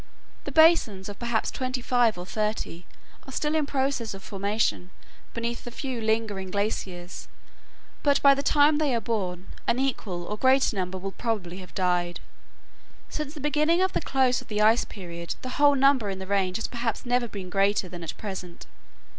The basins of perhaps twenty five or thirty are still in process of formation beneath the few lingering glaciers, but by the time they are born, an equal or greater number will probably have died. Since the beginning of the close of the ice period the whole number in the range has perhaps never been greater than at present.